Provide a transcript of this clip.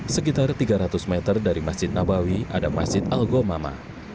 sekitar tiga ratus meter dari masjid nabawi ada masjid al gomama